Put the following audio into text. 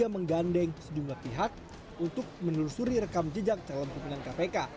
menggandeng sejumlah pihak untuk menelusuri rekam jejak calon pimpinan kpk